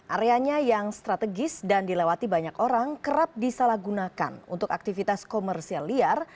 areanya yang strategis dan dilewati banyak orang kerap disalahgunakan untuk aktivitas komersial liar